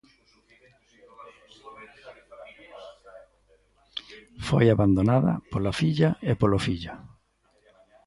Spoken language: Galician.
Foi abandonada pola filla e polo fillo.